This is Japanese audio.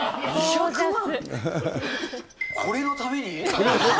これのために？